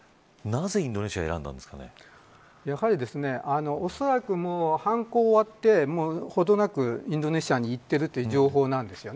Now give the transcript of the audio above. なぜインドネシアをおそらく犯行が終わってほどなくインドネシアに行っているという情報なんです。